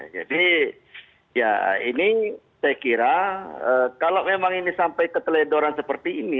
jadi ya ini saya kira kalau memang ini sampai ke teledoran seperti ini